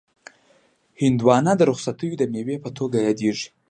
هندوانه د رخصتیو د مېوې په توګه یادیږي.